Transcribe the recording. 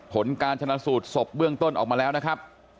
ผลการชนะสูตรศพเบื้องต้นออกมาแล้วนะครับ